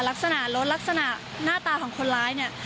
ลักษณะรถลักษณะหน้าตาของคนร้ายเนี่ย